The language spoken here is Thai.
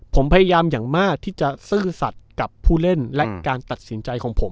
ผมพยายามอย่างมากที่จะซื่อสัตว์กับผู้เล่นและการตัดสินใจของผม